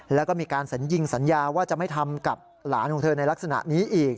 แล้วก็มีการสัญญิงสัญญาว่าจะไม่ทำกับหลานของเธอในลักษณะนี้อีก